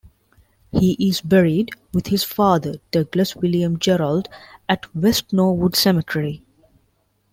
He is buried with his father Douglas William Jerrold at West Norwood Cemetery.